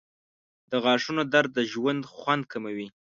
• د غاښونو درد د ژوند خوند کموي.